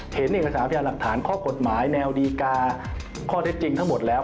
เห็นเอกสารพยานหลักฐานข้อกฎหมายแนวดีกาข้อเท็จจริงทั้งหมดแล้ว